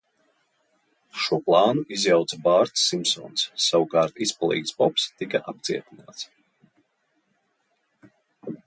Šo plānu izjauca Bārts Simpsons, savukārt Izpalīgs Bobs tika apcietināts.